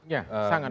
ya sangat menjamin